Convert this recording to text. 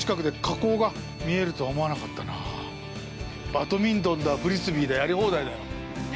バドミントンだ、フリスビーだ、やり放題だよ。